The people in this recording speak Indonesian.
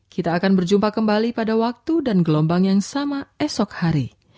kita akan berjumpa kembali pada waktu dan gelombang yang sama esok hari